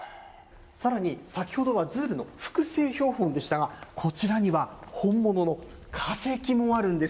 さらに先ほどはズールの複製標本でしたが、こちらには本物の化石もあるんです。